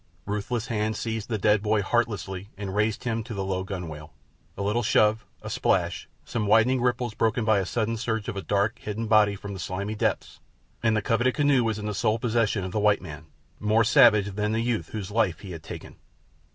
Ruthless hands seized the dead boy heartlessly and raised him to the low gunwale. A little shove, a splash, some widening ripples broken by the sudden surge of a dark, hidden body from the slimy depths, and the coveted canoe was in the sole possession of the white man—more savage than the youth whose life he had taken.